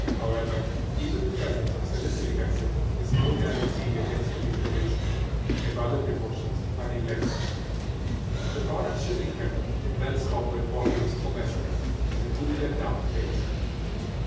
However, even the presence of salicylic acid is no guaranty against deterioration, if other precautions are neglected. The products should be kept in well stoppered bottles or vessels, in a cool and dark place.